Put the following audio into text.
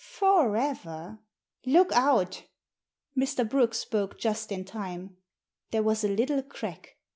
"For ever! Look out!" Mr. Brooke spoke just in time. There was a little crack.